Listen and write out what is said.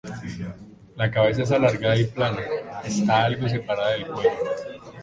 La cabeza es alargada y plana, está algo separada del cuello.